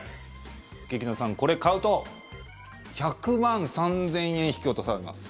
劇団さん、これ買うと１００万３０００円引き落とされます。